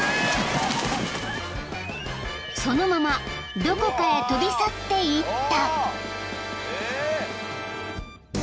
［そのままどこかへ飛び去っていった］